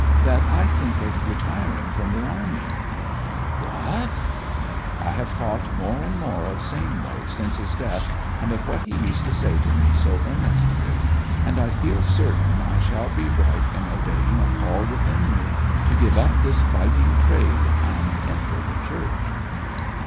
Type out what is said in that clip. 'That I think of retiring from the army.' 'What!' 'I have thought more and more of Sainway since his death, and of what he used to say to me so earnestly. And I feel certain I shall be right in obeying a call within me to give up this fighting trade and enter the Church.'